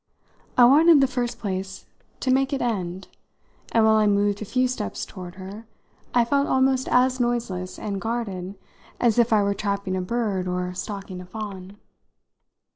I wanted in the first place to make it end, and while I moved a few steps toward her I felt almost as noiseless and guarded as if I were trapping a bird or stalking a fawn.